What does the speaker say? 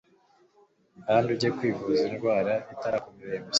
kandi ujye kwivuza indwara itarakurembya